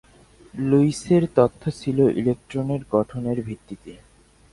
লুইসের তত্ত্ব ছিল ইলেকট্রনের গঠনের ভিত্তিতে।